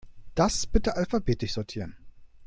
Das bitte alphabetisch sortieren.